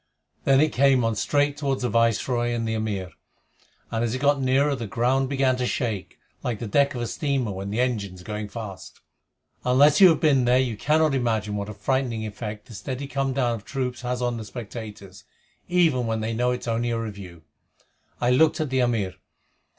Then it came on straight toward the Viceroy and the Amir, and as it got nearer the ground began to shake, like the deck of a steamer when the engines are going fast. Unless you have been there you cannot imagine what a frightening effect this steady come down of troops has on the spectators, even when they know it is only a review. I looked at the Amir.